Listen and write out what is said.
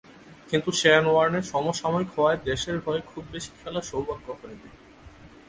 কিন্তু শেন ওয়ার্নের সমসাময়িক হওয়ায় দেশের হয়ে খুব বেশি খেলার সৌভাগ্য হয়নি।